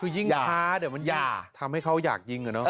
อย่าทำให้เขาอยากยิงก่อนเนอะ